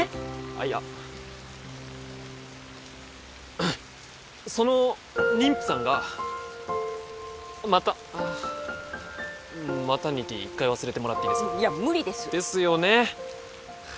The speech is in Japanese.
あっいやその妊婦さんが股あっマタニティー一回忘れてもらっていいですかいや無理ですですよねは